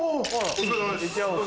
お疲れさまです。